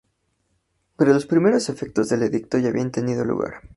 Pero los primeros efectos del Edicto ya habían tenido lugar.